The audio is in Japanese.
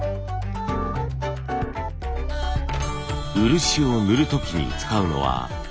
漆を塗る時に使うのははけ。